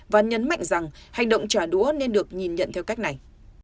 và nhấn mạnh rằng hành động trả đũa nên được nhìn nhận theo cách này